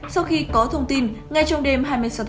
sau khi có thông tin ngay trong đêm hai mươi sáu chín